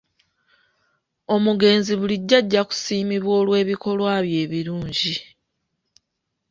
Omugenzi bulijjo ajja kusiimibwa olw'ebikolwa bye ebirungi.